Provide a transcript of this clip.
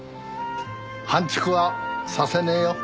半ちくはさせねえよ。